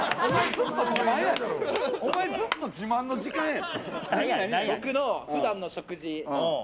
お前、ずっと自慢の時間やで。